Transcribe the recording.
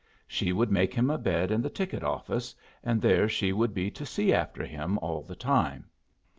She would make him a bed in the ticket office, and there she would be to see after him all the time.